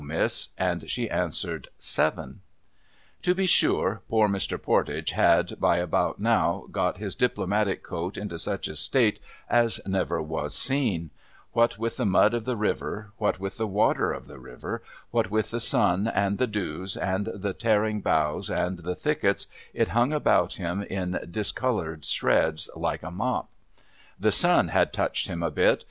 Miss?' and she answered 'Seven.' To be sure, poor Mr. Pordage had, by about now, got his Diplomatic coat into such a state as never was seen, ^\'hat with the mud of the river, what with the water of the river, what with the sun, and the dews, and the tearing boughs, and the thickets, it hung about him in discoloured shreds like a mop. The sun had touched him a bit.